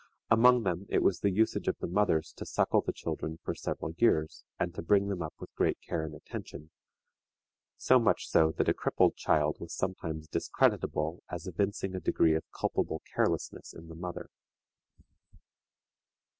Among them it was the usage of the mothers to suckle the children for several years, and to bring them up with great care and attention, so much so that a crippled child was sometimes discreditable as evincing a degree of culpable carelessness in the mother.